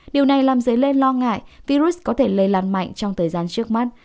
điều này làm dấy lên lo ngại virus có thể lây lan mạnh trong thời gian trước mắt